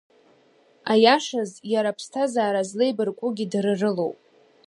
Аиашаз, иара аԥсҭазаара злеибаркугьы дара рылоуп…